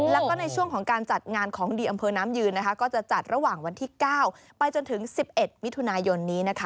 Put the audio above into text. แล้วก็ในช่วงของการจัดงานของดีอำเภอน้ำยืนนะคะก็จะจัดระหว่างวันที่๙ไปจนถึง๑๑มิถุนายนนี้นะคะ